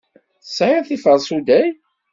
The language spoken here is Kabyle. Tesɛiḍ tiferṣuday?